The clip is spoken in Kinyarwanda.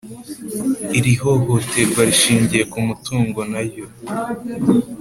iIri hohoterwa rishingiye ku mutungo na ryo